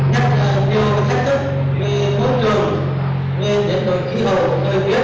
nhất là nhiều thách thức về môi trường về kinh hậu đời tiết